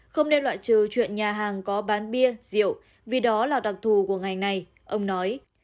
không nên loại trừ chuyện nhà hàng có bán bia rượu vì đó là đặc thù của ngành này ông nói